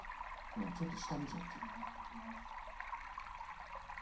今ちょっと下見ちゃったな。